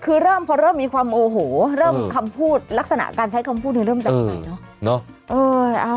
คือเริ่มพอเริ่มมีความโอโหเริ่มคำพูดลักษณะการใช้คำพูดนี้เริ่มแบบไหนเนอะ